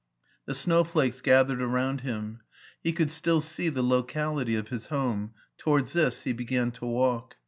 The snowflakes gathered around him. He could still see the locality of his home : to wards this he began to walk.